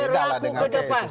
berlaku ke depan